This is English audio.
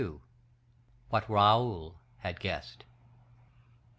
What Raoul Had Guessed.